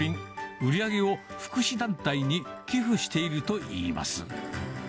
売り上げを福祉団体に寄付しているといいます。